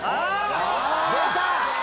出た！